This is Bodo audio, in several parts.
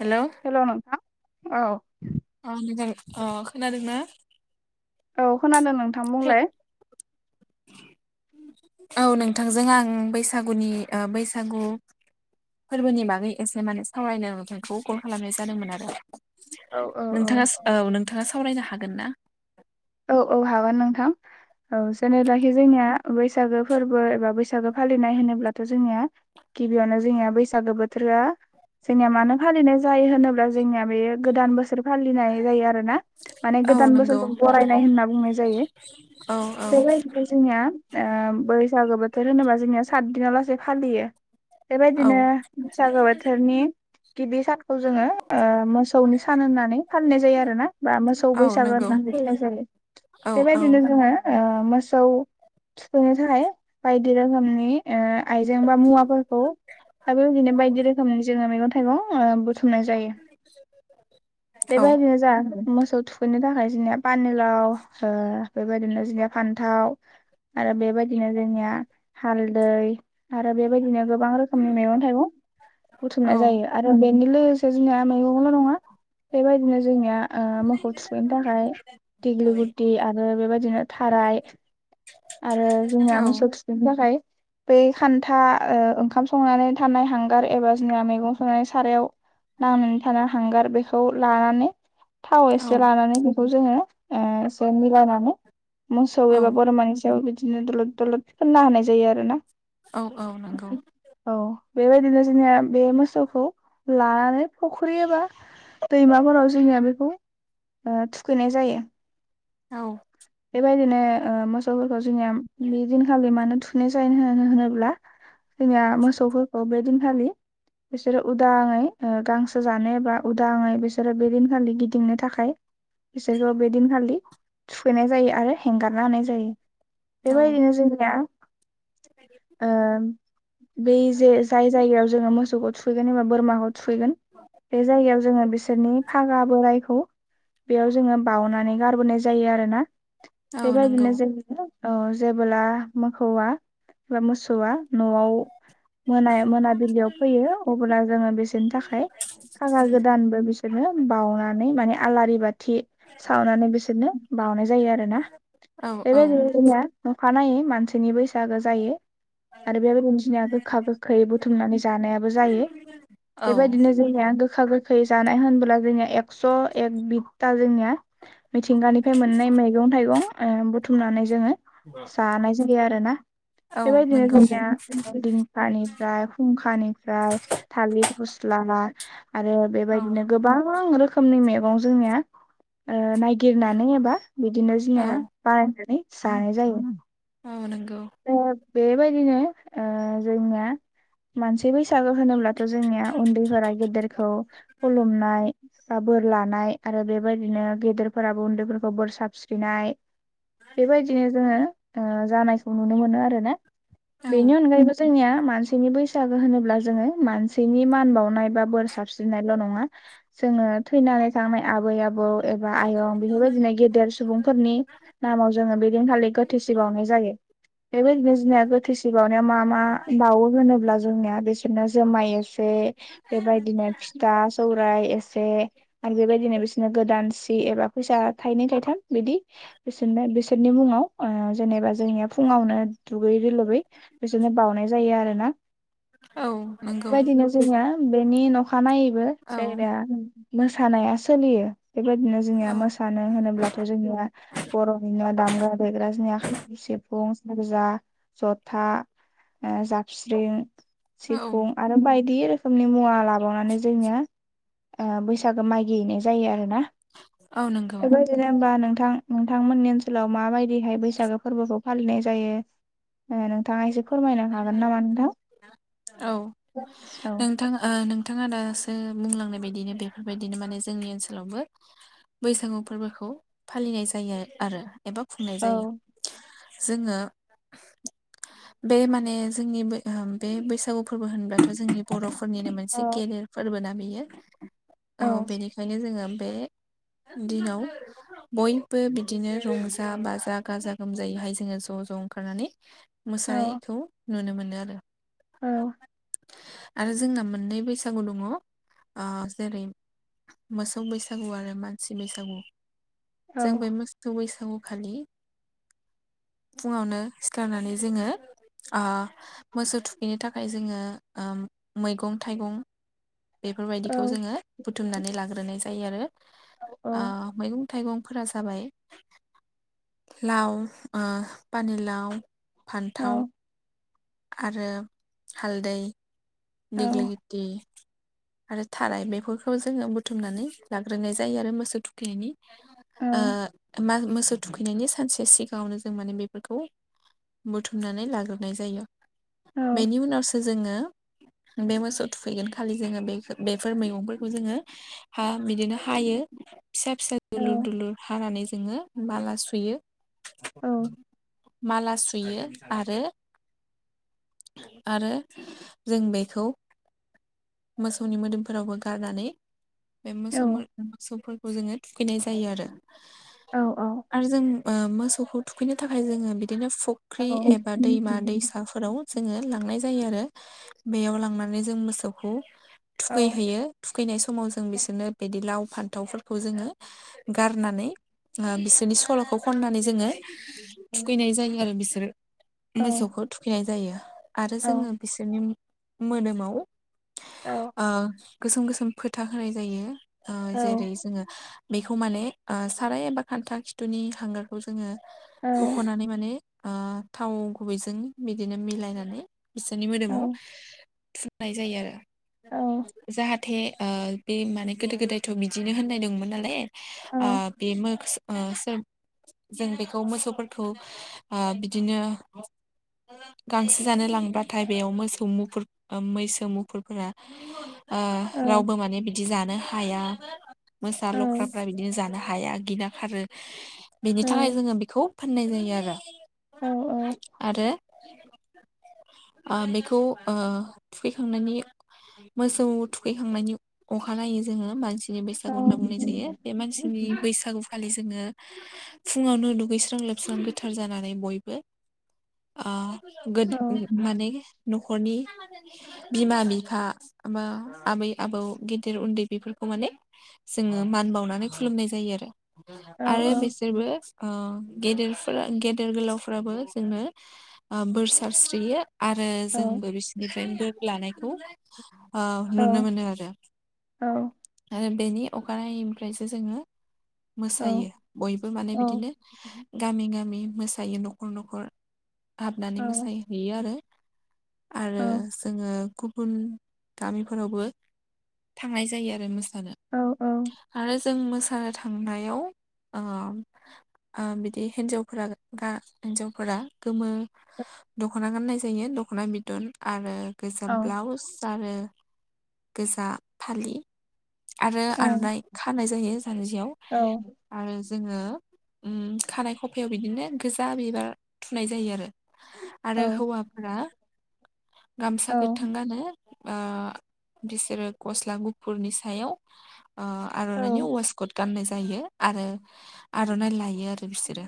हेलौ हेल' नोंथा औ अ नोंजां अ खोनादोंना औ खोनादों नोंथां बुंलाय [inaudible] औ नोंथांजों आं बैसागुनि ओ बैसागु फोरबोनि बागै एसे माने सावरायनो नोंथांखौ कल खालामनाय जादोंमोन आरो औ औ औ नोंथाङा औ नोंथाङा सावरायनो हागोन ना? औ हागोन नोंथां औ जेनेलाखि जोंनिया बैसागो फोरबो एबा बैसागो फालिनाय होनोब्लाथ' जोंनिया गिबियावनो जोंनिया बैसागो बोथोरा जोंनिया मानो फालिनाय जायो होनोब्ला जोंनिया बेयो गोदान बोसोर फालिनाय जायो आरो ना माने औ गोदान नंगौ बोसोरखौ बरायनाय होनना बुंनाय जायो औ औ बेबायदिनो जोंनिया ओ बैसागो बोथोर होनोबा जोंनिया सात दिनाव लासै फालियो औ बेबायदिनो बैसागो बोथोरनि गिबि सानखौ जोङो ओ मोसौनि सान होननानै फालिनाय जायो आरो ना बा मोसौ औ बैसागो नंगौ होननानै [unintelligible] औ औ बेबायदिनो जोङो ओ मोसौ थुखैनो थाखाय बाय दि रोखोमनि ए आइजें बा मुवाफोरखौ दा बेबायदिनो बायदि रोखोमनि जोङो मैगं थाइगं ओ बुथुर मनाय जायो औ बेबायदिनो जा मोसौ थुखैनो थाखाय जोंनिया पानिलाव ओ बेबायदिनो जोंनिया फान्थाव आरो बेबायदिनो जोंनिया हालदै आरो बेबायदिनो गोबां रोखोमनि मैगं थाइगं बुथुमनाय औ जायो आरो बेनि लोगोसे जोंनिया मैगंल' नङा बेबायदिनो जोंनिया ओ मोखौ थुखैनो थाखाय दिग्लि गुदि आरो बेबायदिनो थाराय आरो औ जोंना मोसौ [unintelligible] थाखाय बै खान्था ओ ओंखाम संनानै थानाय हांगार एबा जोंना मैगं संनानै सारायाव नांनानै थानो हांगार बेखौ लानानै थाव औ एसे लानानै बेखौ जोङो ओ एसे मिलायनानै मोसौ औ एबा बोरमानि सायाव बिदि दुलुद दुलुद फोनना होनाय जायो आरो ना औ औ नोंगौ औ बेबायदिनो जोंनिया बे मोसौखौ लानानै फुख्रि एबा दैमाफोराव जोंनिया बेखौ ओ थुखैनाय जायो औ। बेबायदिनो ओ मोसफोरखौ जोंनिया बेदिनखालि मानो थुनाय [unintelligible] होनोब्ला जोंनिया मोसौफोरखौ बे दिनखालि बिसोरो उदाङै ओ गांसो जानो एबा उदाङै बिसोरो बे दिनखालि गिदिंनो थाखाय बिसोरखो बेदिनखालि थुखैनाय जायो आरो हेंगारना होनाय जायो औ बेबायदिनो जोंनिया ओ बे जे जाय जायगायाव जोङो मोसौखौ थुखैगोन एबा बोरमाखौ थुखैगोन बे जायगायाव जोङो बिसोरनि फागाबो रायखौ बेयाव जोङो बावनानै गारबोनाय जायो आरोना औ नंगौ बेबायदिनो जो औ जेबोला मोखौवा बा मोसौआ नआव मोना मोनाबिलियाव फैयो अब्ला जोङो बिसोरनि थाखाय फागा गोदानबो बिसोरनो बावनानै माने आलारि बाथि सावनानै बिसोरनो बाउनाय जायो आरो ना औ औ बेबायदिनो जोंनिया अखानायै मानसैनि बैसागो जायो आरो बेबायदिनो जोंनिया गोखा गोखै बुथुमनानै जानायाबो जायो औ बेबायदिनो जोंनिया गोखा गोख गोखै जानाय होनब्ला जोंनिया एकस एक बितआ जोंनिया मिथिंगानिफ्राय मोननाय मैगं थाइगं ओ बुथुमनानै जोङो जानाय जायो आरोना औ बेबायदिनो नंगौ जोंनिया दिंखानिफ्राय फुंखानिफ्राय थालिर फस्ला आरो औ बेबायदिनो गोबां रोखोमनि मैगं जोंनिया ओ नायगिरनानै एबा बिदिनो औ जोंनिया बारायनानै जानाय जायो अ नोंगौ ओ बेबायदिनो ओ जोंनिया मानसि बैसागो होनोब्लाथ जोंनिया उन्दैफोरा गेदेरखौ खुलुमनाय बा बोर लानाय आरो बेबायदिनो गेदेरफोराबो उन्दैफोरखौ बोर साबस्रिनाय बेबायदिनो जोङो ओ जानायखौ नुनो मोनो आरोना औ बेनि अनगायैबो जोंनिया मानसिनि बैसागो होनोब्ला जोङो मानसिनि मान बावनाय बा बोर साबस्रिनायल नङा जोङो थैनानै थांनाय आबै आबौ एबा आयं बेफोरबायदिनो गेदेर सुबुंफोरनि नामाव जोङो बेदिनखालि गोथैसि बावनाय जायो बेबायदिनो जोंनिया गोथैसि बावनाया मा मा बावो होनोब्ला जोंनिया बिसोरनो जोमाय एस से बेबायदिनो फिथा सौराय एसे आरो बेबायदिनो बि नो गोदान सि एबा फैसा थाइनै थाइथाम बिदि बिसोरनो बिसोरनि मुङाव एबा जोंनिया फुङावनो दुगै दै लुबै बिसोरनो बावनाय जायो आरो ना औ नंगौ बेबायदिनो जोंनिया बेनि नखानायैबो औ [unintelligible] मोसानाया सोलियो बेबायदिनो जोंनिया मोसानो होनोब्लाथ जोंनिया बरनिनो दामग्रा देग्रा जोंनिया खाम सि फुं सेरजा जथा ओ जाबस्रिं औ औ सिफुं आरो बाय यदि रोखोमनि मुवा लाबावनानै जोनिया ओ बैसागो मागि हैनाय जायो आरो ना औ नंगौ बेबायदिनो होमबा नोंथां नोंथांमोननि ओनसोलाव माबायदिहाय बैसागो फोरबोखौ फालिनाय जायो नोंथाङा ओ एसे फोरमायनो हागोन नामा नोंथां औ नोंथां ओ नोंथाङा दासो बुंलांनाय बायदिनो बेफोरबायदिनो माने जोंनि ओनसोलावबो बैसागु फोरबोखौ फालिनाय जायो आ-आरो एबा खुंनाय औ जायो जोङो बे माने जोंनि बे होम बे बैसागु फोरबो होनबाथ जोंनि बर फोरनिनो मोनसे गेदेर फोरबोना बियो औ बेनिखायनो जोङो बे दिनाव बयबो बिदिनो रंजा बाजा गाजा गोमजायैहाय जोङो ज ज ओंखारनानै मोसानायखौ नुनो मोनो आरो औ। आरो जोंना मोननै बैसागु दङ ओ जेरै मोसौ बैसागु आरो मानसि बैसागु औ जों बै मोसौ बैसागु खौ खालि फुङावनो सिखारनानै जोङो ओ मोसौ थुखैनो थाखाय जोङो ओम मैगं थाइगं औ बेफोरबायदिखौ जोङो बुथुमनानै लाग्रोनाय जायो आरो औ ओ मैगं थाइगंफोरा जाबाय लाव ओ पानिलाव औ फान्थाव आरो हालदै दिग्लि औ लिति आरो थाराय बेफोरखौ जोङो बुथुमनानै लाग्रोनाय जायो आरो मोसौ थुखैनायनि औ ओ [unintelligible] मोसौ थुखैनायनि सानसे सिगाङावनो जों माने बेफोरखौ बुथुमनानै लाग्रोनाय जायो बेनि उनावसो जोङो बे मोसौ थुखैगोन खालि जोङो बे बेफोर मैगंफोरखौ जोङो हा बिदिनो हायो फिसा फिसा औ दुलुर दुलुर हानानै जोङो माला सुयो औ माला सुयो आरो आरो जों बे खौ मोसौनि मोदोमफोरावबो गारनानै बे मोसौ मोसौफोरखौ जोङो थुखैनाय जायो आरो आरो जों मोसौखौ थुखैनो थाखाय जोङो बि बिदिनो फुख्रि एबा दैमा दैसाफोराव जोङो लांनाय जायो आरो बेयाव लांनानै जों मोसौखौ थुखैहोयो थुखैनाय समाव जों बिसोरनो बिदि लाव फान्थावफोरखौ जोङो गारनानै बिसोरनि सल'खौ खननानै जोङो थुखैनाय जायो आरो बिसोर मोसौखौ थुखैनाय जायो। आरो औ जोङो बिसोरनि मोदोमाव ओ गोसोम गोसोम फोथा होनाय जायो औ जेरै जोङो बेखौ माने साराय एबा खान्था खिथुनि हांगारखौ जोङो औ बख'नानै माने थाव गुबैजों बिदिनो मिलायनानै बिसोरनि औ मोदोमाव फुननाय जायो आरो औ जाहाथे थे ओ बे माने गोदो गोदायथ' बिदिनो होननाय दंमोन नालाय औ ओ बे जों बेखौ मोसौफोरखौ ओ बिदिनो गांसो जानो लांब्लााथाय बेयाव मोसौ मुफुर मैसो मुफुरफोरा औ रावबो माने बिदि जानो हाया। मोसा औ लख्राफ्रा बिदिनो जानो हाया गिना खारो बिनि औ थाखाय जोङो बेखौ फोननाय जायो आरो औ आरो ओ बेखौ ओ थुखैखांनानै मोसौ थुखैखांनायनि अखानायै जोङो मानसि नि औ बैसागु होनना बुंनाय जायो बे मानसिनि बैसागु फालि जोङो फुङावनो दुगैस्रां लोबस्रां गोथार जानानै बयबो ओ गो माने न'खरनि बिमा बिफा बा आबै आबौ गेदेर उन्दै बेफोरखौ माने जोङो मान बावनानै खुलुमनाय जायो आरो आरो बिसोरबो गेदेरफोरा गेदेर गोलावफ्राबो जोङो बोर सारस्रियो आरो जोंबो बिसोरनिफ्रायनो बोर लानायखौ ओ नुनो माने आरो। औ बेनि अखानायैनिफ्रायसो जोङो मोसायो बयबो माने बिदिनो गामि गामि मोसायो न'खर न'खर हाबनानै मोसहैयो बियो आरो आरो जोङो गुबुन गामिफोरावबो थांनाय जायो आरो मो सानो औ आरो जों मोसानो थांनायाव बिदि हिन्जावफोरा हिन्जावफोरा गोमो दख'ना गाननाय जायो दख'ना बिदन आरो गोजा ब्लाउस। गारो गोजा फालि आरो औ आर'नाइ खानाय जायो जानोजियाव औ आरो जोङो खानाय खफायाव बिदिनो गोजा बिबार थुनाय जायो आरो आरो हौवाफोरा गामसा गोथां गानो ओ बिसोरो गस्ला गुफुरनि सायाव ओ आर'नाानि अवास कद गाननाय जायो आरो आर'नाइ लायो आरो बिसोरो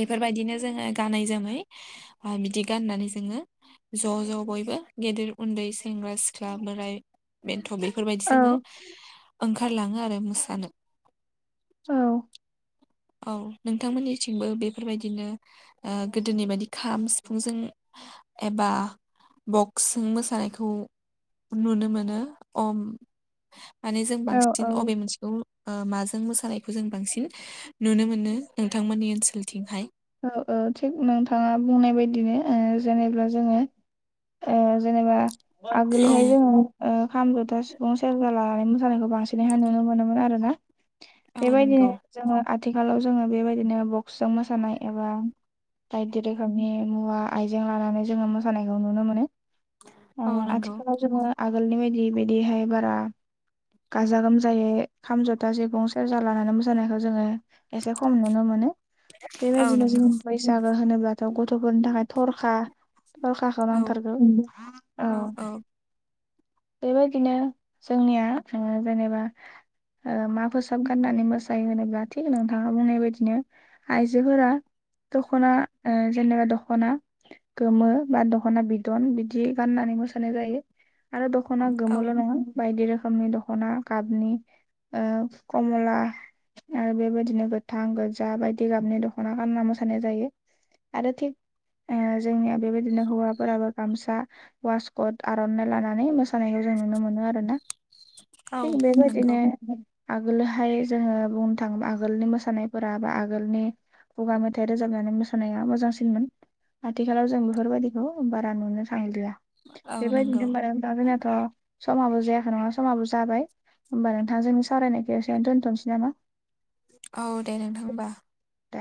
बेफोरबायदिनो जोंङो गानै जोमै बिदि गाननानै जोंङो ज' ज' बयबो गेदेर उन्दै सेंग्रा सिख्ला बोराय बेन्थ' बे बेफोरबायदि जोंङो ओंखारलांङो आरो मोसानो औ नोंथांमोननिथिंबो बेफोरबायदिनो गोदोनि बायदि खाम सिफुंजों एबा बक्सिं मोसानायखौ नुनो मोनो अम माने जों बांसिन अबे मोनसेखौ माजों मोसानायखौ जों बांसिन नुनो मोनो नोंथांमोननि ओनसोलथिंहाय औ औ थिग नोंथांङा बुंनाय बायदिनो जेनेबा जोंङो जेनेबा औ आगोलोहाय जोंङो खाम जथा सुबुं सेरजा लानानै मोसानायखौ बांसिनैहाय नुनो मोनोमोन आरोना औ नंगौ बेबायदिनो जोंङो आथिखालाव जोंङो बेबायदिनो बक्सजों मोसानाय एबा बायदि रोखोमनि मुवा आयजें लानानै जोंङो मोसानायखौ नुनो मोनो औ नंगौ आथिखालाव जोंङो आगोलनि बायदि बिदिहाय बारा गाजा गोमजायै खाम जथा सिगं सेरजा लानानै मोसानायखौ जोंङो एसे खम नुनो मोनो [inaudible] औ बेबायदिनो नंगौ जों बैसागो होनोब्लाथ' गथ'फोरनि थाखाय थरखा दरखाखौ औ नांथारगौ औ। बेबायदिनो जोंनिया जेनेबा मा फोसाब गाननानै मोस ज होनोब्ला थिग नोंथांङा बुंनाय बायदिनो आइजोफोरा दख'ना जेनेबा दख'ना गोमो बा दख'ना बिदन बिदि गाननानै मोसानाय जायो आरो दख'ना औ गोमल' नंङा बायदि रोखोमनि दख'गाबनि कमला आरो बेबायदिनो गोथां गोजा बायदि गाबनि दख'ना गानना मोस मोसानाय जायो आरो थि जोंनिया बेबायदिनो हौवाफोराबो गामसा ववासकट आर'नाइ लानानै मोसानायखौ जों नुनो मोनो आरोना औ थिग नंगौ बेबायदिनो आगोलोहाय जोंङो बुंनो थाङोबा आगोलनि मोसानायफोरा बा आगोलनि गगा मेथाइ रोजाबनानै मोसानाया मोजांसिनमोन आथिखालाव जों बेफोरबायदिखौ बारा नुनो थांलिया औ नंगौ बेबायदिनो मारा नाथ' समाबो जायाखै नंङा समाबो जाबाय होमबा नोंथां जोंनि सावरायनायखौ एससेनो दोन्थ'नोसै नामा। औ दे नोंथां होमबा। दे।